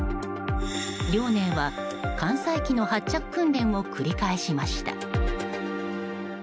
「遼寧」は艦載機の発着訓練を繰り返しました。